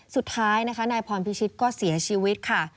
สุดท้ายนะคะนายพรพิชิตก็เสียชีวิตค่ะ